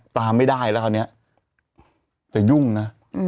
ตามไม่ได้แล้วแต่ยุ่งนะ